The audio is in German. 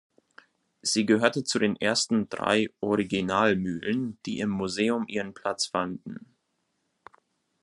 Sie gehörte zu den ersten drei Original-Mühlen, die im Museum ihren Platz fanden.